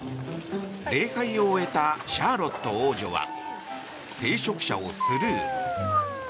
礼拝を終えたシャーロット王女は聖職者をスルー。